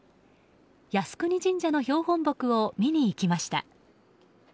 靖国神社の標本木を見に行きました。